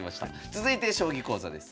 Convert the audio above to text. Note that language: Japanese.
続いて将棋講座です。